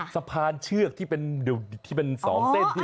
สะพานเชือกที่เป็น๒เส้นที่เราต้องพอแล้วเดิน